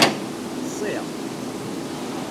Ḍṣiɣ.